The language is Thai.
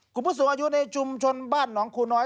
ผู้สูงอายุในชุมชนบ้านหนองคูน้อย